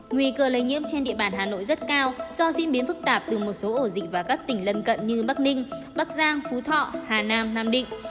nguy cơ lây nhiễm trên địa bàn hà nội rất cao do diễn biến phức tạp từ một số ổ dịch và các tỉnh lân cận như bắc ninh bắc giang phú thọ hà nam nam định